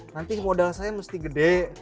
nanti modal saya mesti gede